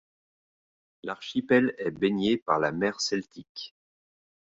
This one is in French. L'archipel est baigné par la mer Celtique.